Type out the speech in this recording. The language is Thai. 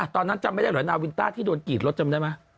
ตอนนั้นจำไม่ได้เหรอนาวีนตาที่โดนกรีดรถใจมั้ย